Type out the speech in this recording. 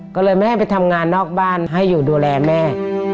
ก็เลยไม่ให้ไปทำงานนอกบ้านให้อยู่ดูแลแม่